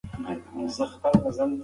زه غواړم چې په دې شبکه کې نوی حساب ولرم.